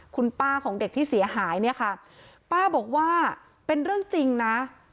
คุณป้าของเด็กที่เสียหายเนี่ยค่ะป้าบอกว่าเป็นเรื่องจริงนะ